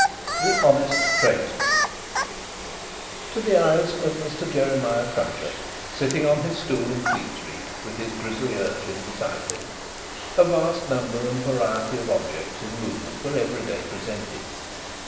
The Honest Tradesman To the eyes of Mr. Jeremiah Cruncher, sitting on his stool in Fleet street with his grisly urchin beside him, a vast number and variety of objects in movement were every day presented.